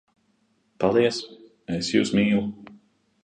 Paldies! Es jūs mīlu!